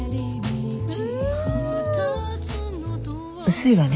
薄いわね。